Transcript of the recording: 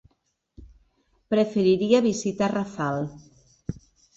Preferiria visitar Rafal.